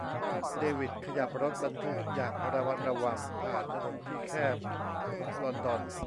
เดวิดขยับรถบรรทุกอย่างระมัดระวังผ่านถนนที่แคบของลอนดอน